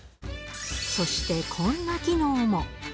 そして、こんな機能も。